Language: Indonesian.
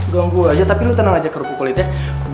tunggu aja tapi lu tenang aja kerupuk kulitnya